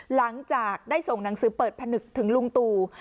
หลังจากได้ส่งหนังสือเปิดผนึกถึงลุงตู่